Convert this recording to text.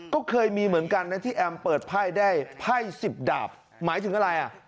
ก็เคยมีเหมือนกันนะที่แอมเปิดไพ่ได้ไพ่๑๐ดาบหมายถึงอะไรอ่ะ